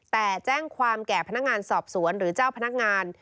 แต่แจ้งความแก่พนักงานสอบสวนหรือเจ้าพนักงาน